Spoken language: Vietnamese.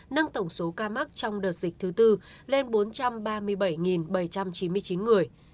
nâng tổng số ca mắc trong đợt dịch thứ tư lên bốn trăm ba mươi bảy bảy trăm chín mươi chín người